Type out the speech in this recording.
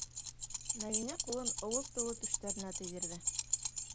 Мәҙинә ҡулын ыуыҙ тулы түштәренә тейҙерҙе.